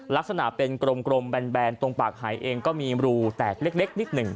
ลักษณะเป็นกลมแบนตรงปากหายเองก็มีรูแตกเล็กนิดหนึ่ง